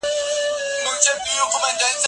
اوس له ناکامه د صیاد و تور ته کډه کوم